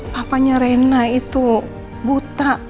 papanya rena itu buta